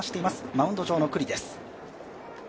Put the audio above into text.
マウンド上の九里です。